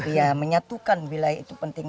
ya menyatukan wilayah itu penting